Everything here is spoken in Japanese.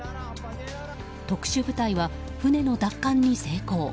特殊部隊は船の奪還に成功。